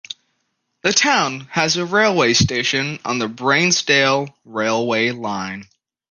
The town has a railway station on the Bairnsdale railway line.